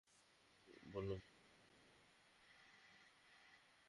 বললাম না কাপড় খোল!